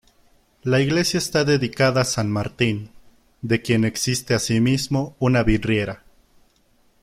La iglesia está dedicada a San Martín, de quien existe asimismo una vidriera.